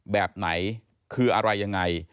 แบบไหนคืออะไรยังไง